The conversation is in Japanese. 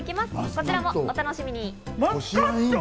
こちらもお楽しみに。